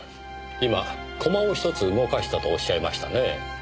今駒を１つ動かしたとおっしゃいましたねぇ。